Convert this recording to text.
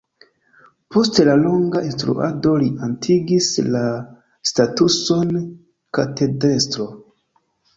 Post la longa instruado li atingis la statuson katedrestro.